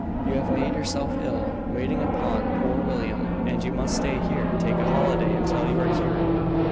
You have made yourself ill, waiting upon poor William, and you must stay here and take a holiday until you are cured.